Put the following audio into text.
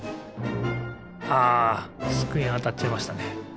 あつくえにあたっちゃいましたね。